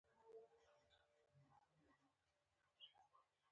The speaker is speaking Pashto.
هغه په بله برخه کې پانګه په کار اچوي